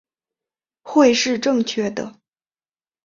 会是正确的